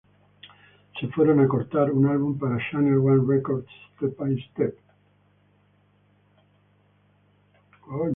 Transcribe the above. Se fueron a cortar un álbum para Channel One Records, Step by Step.